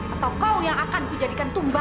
atau kau yang akan kujadikan tumbal